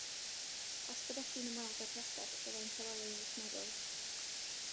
Os byddech chi'n ymweld â'r castell byddai'n tawelu eich meddwl.